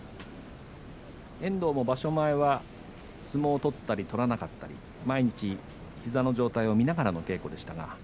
遠藤も場所前は相撲を取ったり取らなかったり毎日、膝の状態を見ながらの稽古でした。